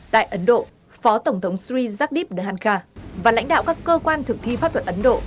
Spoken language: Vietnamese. tại ấn độ phó tổng thống sri jadip dhankar và lãnh đạo các cơ quan thực thi pháp luật ấn độ